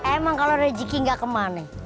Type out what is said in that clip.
emang kalau rezeki nggak kemana